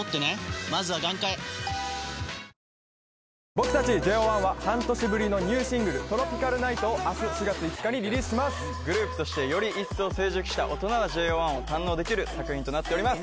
僕達ＪＯ１は半年ぶりのニューシングル「ＴＲＯＰＩＣＡＬＮＩＧＨＴ」を明日４月５日にリリースしますグループとしてより一層成熟した大人のＪＯ１を堪能できる作品となっております